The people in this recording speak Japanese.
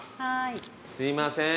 すいません。